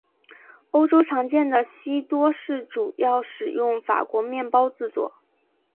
欧洲常见的西多士主要使用法国面包制作。